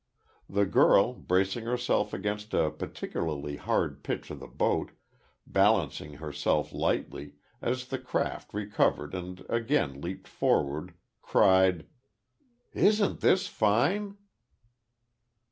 The girl, bracing herself against a particularly hard pitch of the boat, balancing herself lightly, as the craft recovered and again leaped forward, cried: "Isn't this fine!"